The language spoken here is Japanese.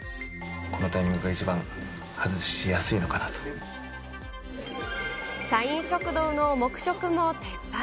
このタイミングが一番外しや社員食堂の黙食も撤廃。